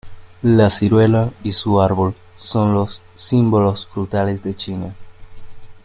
La ciruela y su árbol son los símbolos frutales de China.